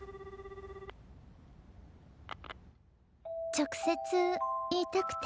直接言いたくて。